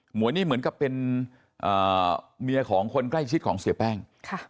หวยนี่เหมือนกับเป็นเมียของคนใกล้ชิดของเสียแป้ง